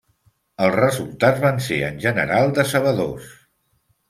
Els resultats van ser, en general, decebedors.